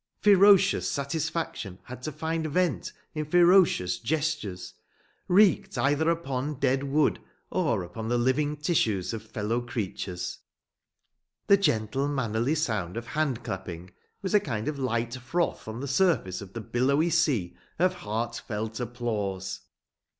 Ferocious satisfaction had to find vent in ferocious gestures, wreaked either upon dead wood or upon the living tissues of fellow creatures. The gentle, mannerly sound of hand clapping was a kind of light froth on the surface of the billowy sea of heartfelt applause.